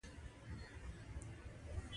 خو دوى يوازې هغه طالبان جهاد ته بيول.